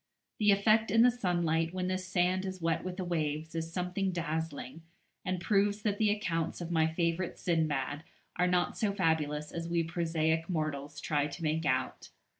The effect in the sunlight, when this sand is wet with the waves, is something dazzling, and proves that the accounts of my favourite Sindbad are not so fabulous as we prosaic mortals try to make out.